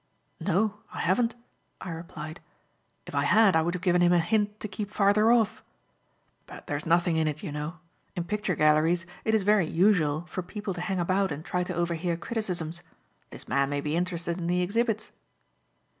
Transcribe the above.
"No, I haven't," I replied. "If I had I would have given him a hint to keep farther off. But there's nothing in it, you know. In picture galleries it is very usual for people to hang about and try to overhear criticisms. This man may be interested in the exhibits."